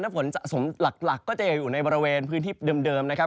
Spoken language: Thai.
ฝนสะสมหลักก็จะอยู่ในบริเวณพื้นที่เดิมนะครับ